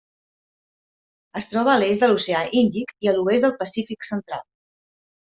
Es troba a l'est de l'Oceà Índic i a l'oest del Pacífic central.